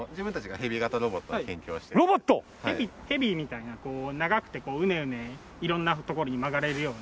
ヘビみたいなこう長くてうねうね色んなところに曲がれるような。